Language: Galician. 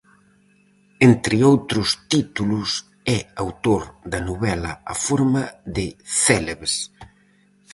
Entre outros títulos, é autor da novela "A forma de Célebes".